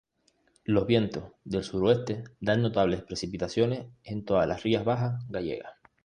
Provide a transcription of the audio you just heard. Los vientos del suroeste dan notables precipitaciones en todas las Rías Bajas gallegas.